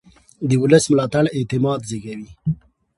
د ولس ملاتړ اعتماد زېږوي